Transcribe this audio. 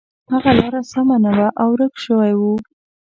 هغه لاره سمه نه وه او ورک شوی و.